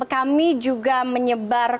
kami juga menyebar